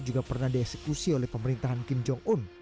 juga pernah dieksekusi oleh pemerintahan kim jong un